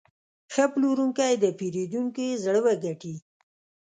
ښه پلورونکی د پیرودونکي زړه وګټي.